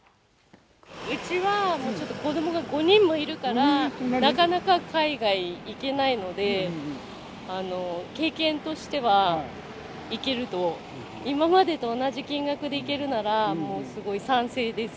うちは、もうちょっと子どもが５人もいるから、なかなか海外行けないので、経験としては、行けると、今までと同じ金額で行けるなら、もう賛成です。